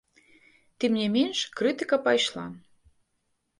Тым не менш, крытыка пайшла.